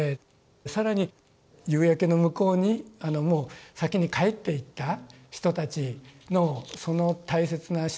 更に夕焼けの向こうにもう先に帰っていった人たちのその大切な人